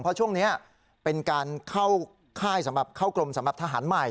เพราะช่วงนี้เป็นการเข้าค่ายสำหรับเข้ากรมสำหรับทหารใหม่